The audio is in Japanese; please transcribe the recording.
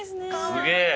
すげえ。